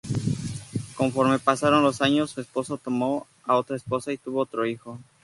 Conforme pasaron los años, su esposo tomó a otra esposa y tuvo otro hijo.